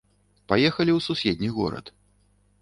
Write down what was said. Паехалі ў суседні горад.